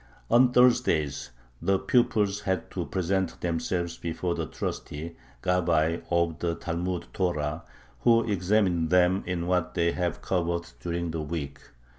On Thursdays the pupils had to present themselves before the trustee (gabbai) of the Talmud Torah, who examined them in what they had covered during the week.